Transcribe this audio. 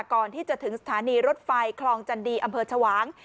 ก่อนที่จะถึงสถานีรถไฟคลองจันดีอำเภอชวาง